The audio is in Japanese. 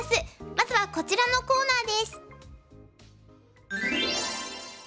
まずはこちらのコーナーです。